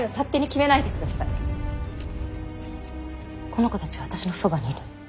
この子たちは私のそばにいるの。